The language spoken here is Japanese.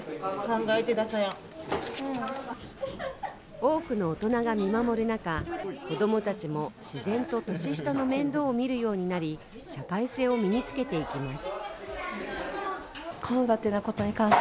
多くの大人が見守る中、子供たちも自然と年下の面倒を見るようになり、社会性を身につけていきます。